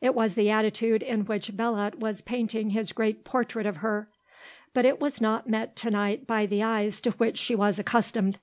It was the attitude in which Belot was painting his great portrait of her. But it was not met to night by the eyes to which she was accustomed.